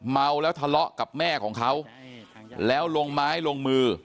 เมาแล้วทะเลาะกับแม่ของเขาแล้วลงไม้ลงมือ